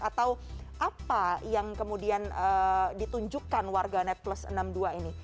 atau apa yang kemudian ditunjukkan warga sembilan ratus enam puluh dua ini